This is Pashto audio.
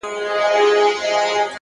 مثبت چلند فضا بدلوي.